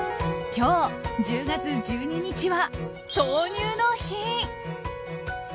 今日１０月１２日は豆乳の日！